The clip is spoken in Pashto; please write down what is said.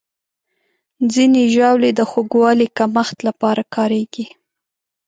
ځینې ژاولې د خوږوالي کمښت لپاره کارېږي.